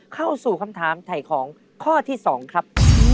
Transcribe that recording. เข้าสู่คำถามถ่ายของข้อที่๒ครับ